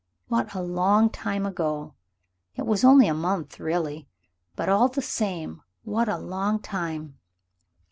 What a long time ago! It was only a month really, but all the same, what a long time!